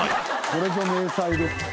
これぞ迷彩です。